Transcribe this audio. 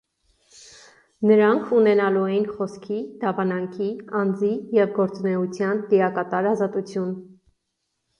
Նրանք ունենալու էին խոսքի, դավանանքի, անձի և գործունեության լիակատար ազատություն։